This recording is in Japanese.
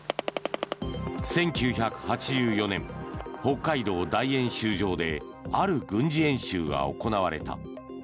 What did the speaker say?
１９８４年、北海道大演習場である軍事演習が行われた。